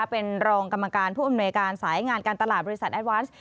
เป็นรองกรรมการผู้อำนวยการสายงานการตลาดบริษัทแอดวานซ์